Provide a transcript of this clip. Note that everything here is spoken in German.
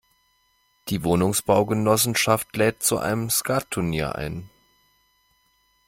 Die Wohnungsbaugenossenschaft lädt zu einem Skattunier ein.